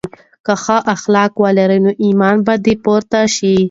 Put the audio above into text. که ښه اخلاق ولرې نو ایمان به دې پوره شي.